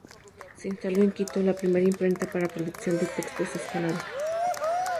Se instaló en Quito la primera imprenta para producción de textos escolares.